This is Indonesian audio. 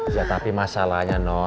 ya tapi masalahnya non